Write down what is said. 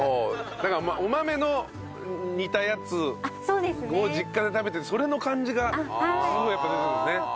だからお豆の煮たやつを実家で食べてるそれの感じがすごいやっぱ出てくるね。